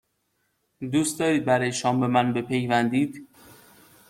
دوست دارید برای شام به من بپیوندید؟